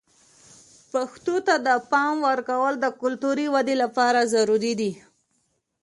پښتو ته د پام ورکول د کلتوري ودې لپاره ضروري دي.